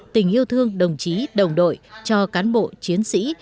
tình yêu thương đồng chí đồng đội cho cán bộ chiến sĩ